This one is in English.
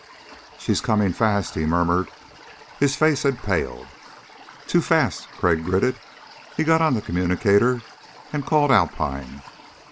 "She's coming fast," he murmured. His face had paled. "Too fast," Crag gritted. He got on the communicator and called Alpine.